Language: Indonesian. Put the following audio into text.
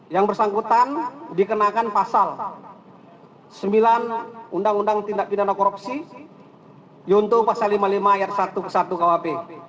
yang bersangkutan dikenakan pasal sembilan undang undang tindak pidana korupsi yuntuh pasal lima puluh lima ayat satu ke satu kuhp